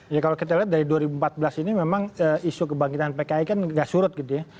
ya kalau kita lihat dari dua ribu empat belas ini memang isu kebangkitan pki kan nggak surut gitu ya